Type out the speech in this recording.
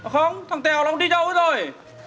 không thằng tèo nó không đi đâu hết rồi